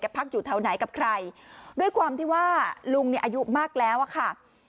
พักอยู่แถวไหนกับใครด้วยความที่ว่าลุงเนี่ยอายุมากแล้วอะค่ะ